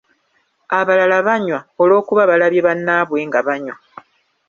Abalala banywa olw’okuba balabye bannaabwe nga banywa.